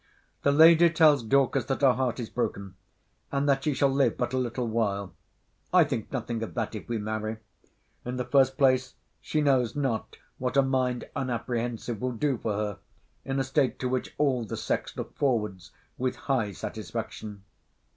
The lady tells Dorcas, that her heart is broken: and that she shall live but a little while. I think nothing of that, if we marry. In the first place, she knows not what a mind unapprehensive will do for her, in a state to which all the sex look forwards with high satisfaction.